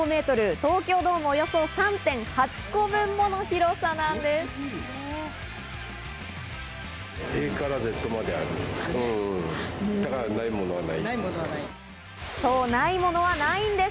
東京ドームおよそ３．８個分もの広さがあります。